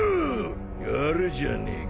やるじゃねえか。